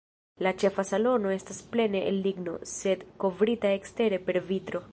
La ĉefa salono estas plene el ligno, sed kovrita ekstere per vitro.